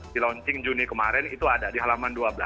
di launching juni kemarin itu ada di halaman dua belas